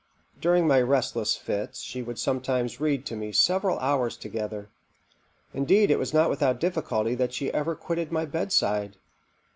During my restless fits she would sometimes read to me several hours together; indeed it was not without difficulty that she ever quitted my bedside.